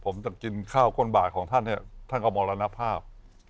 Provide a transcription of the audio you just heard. ผมจะกินข้าวก้นบาทของท่านเนี่ยท่านก็มรณภาพ